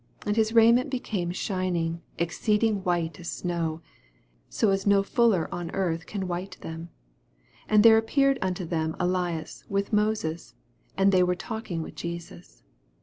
3 And his raiment became shining, exceeding white as snow ; so as no fuller on earth can white them. 4 And there appeared unto them Elias with Moses : and they were talking with Jesus.